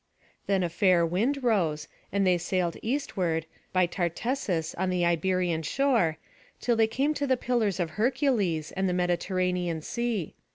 Then a fair wind rose, and they sailed eastward, by Tartessus on the Iberian shore, till they came to the Pillars of Hercules, and the Mediterranean Sea.